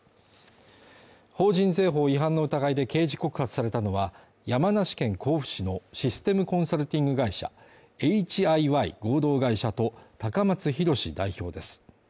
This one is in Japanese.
法人税法違反の疑いで刑事告発されたのは、山梨県甲府市のシステムコンサルティング会社エイチ・アイ・ワイ合同会社と高松洋代表です。